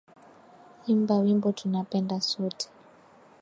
Imba wimbo tunapenda sote